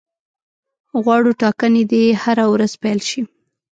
غواړو ټاکنې دي هره ورځ پیل شي.